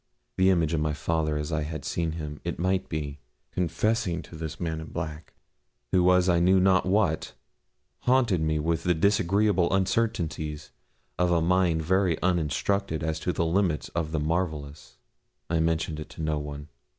The image of my father, as I had seen him, it might be, confessing to this man in black, who was I knew not what, haunted me with the disagreeable uncertainties of a mind very uninstructed as to the limits of the marvellous. I mentioned it to no one.